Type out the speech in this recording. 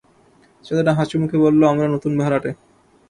ছেলেটা হাসিমুখে বলল, আমরা নতুন ভাড়াটে।